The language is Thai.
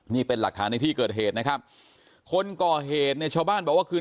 นี่เป็นหลักฐานในที่เกิดเหตุนะครับคนก่อเหตุเนี่ยชาวบ้านบอกว่าคืน